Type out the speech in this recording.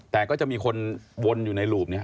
แต่ก็จะมีคนวนอยู่ในรูปนี้